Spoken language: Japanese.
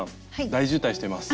大渋滞してます。